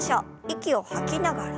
息を吐きながら。